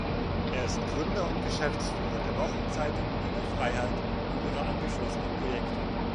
Er ist Gründer und Geschäftsführer der Wochenzeitung "Junge Freiheit" und ihrer angeschlossenen Projekte.